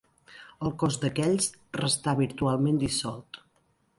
El cos d'aquells restà virtualment dissolt.